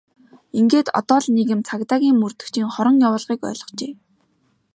Ингээд одоо л нэг юм цагдаагийн мөрдөгчийн хорон явуулгыг ойлгожээ!